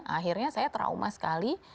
akhirnya saya trauma sekali